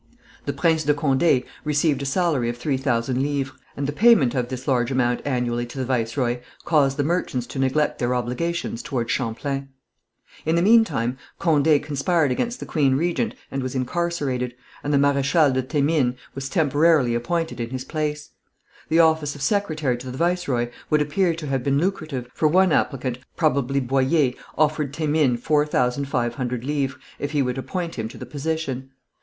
The Prince de Condé received a salary of three thousand livres, and the payment of this large amount annually to the viceroy, caused the merchants to neglect their obligations towards Champlain. In the meantime Condé conspired against the Queen Regent and was incarcerated, and the Maréchal de Thémines was temporarily appointed in his place. The office of secretary to the viceroy would appear to have been lucrative, for one applicant, probably Boyer, offered Thémines four thousand five hundred livres, if he would appoint him to the position.